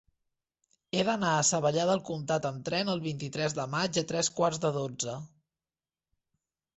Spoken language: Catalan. He d'anar a Savallà del Comtat amb tren el vint-i-tres de maig a tres quarts de dotze.